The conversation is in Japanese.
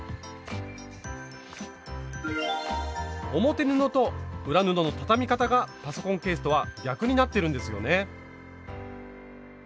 表布と裏布の畳み方がパソコンケースとは逆になってるんですよね。